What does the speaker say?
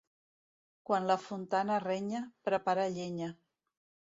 Quan la Fontana renya, prepara llenya.